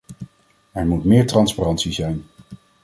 Er moet meer transparantie zijn.